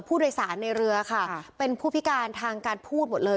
ผู้โดยสารในเรือค่ะเป็นผู้พิการทางการพูดหมดเลย